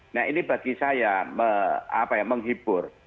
nah ini bagi saya menghibur